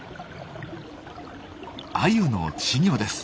アユの稚魚です。